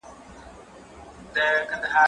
زه به سبا قلم استعمالوموم وم؟!